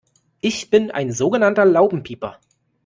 Ich bin ein so genannter Laubenpieper.